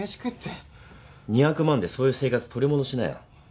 ２００万でそういう生活取り戻しなよ。